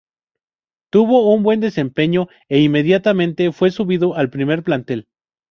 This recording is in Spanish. Tuvo un buen desempeño e inmediatamente fue subido al primer plantel.